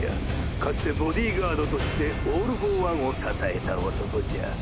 かつてボディーガードとしてオール・フォー・ワンを支えた男じゃ。